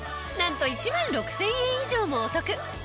なんと１万６０００円以上もお得。